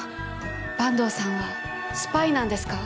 坂東さんはスパイなんですか？